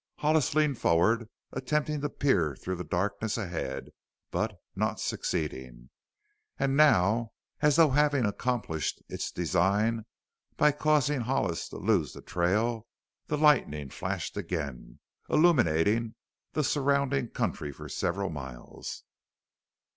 Hollis leaned forward, attempting to peer through the darkness ahead, but not succeeding. And now, as though having accomplished its design by causing Hollis to lose the trail, the lightning flashed again, illuminating the surrounding country for several miles.